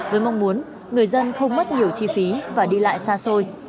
với mong muốn người dân không mất nhiều chi phí và đi lại xa xôi